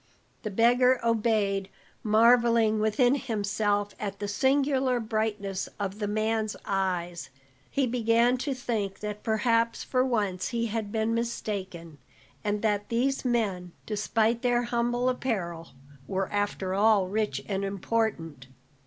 The beggar obeyed, marvelling within himself at the singular brightness of the man's eyes. He began to think that perhaps for once he had been mistaken, and that these men, despite their humble apparel, were after all rich and important.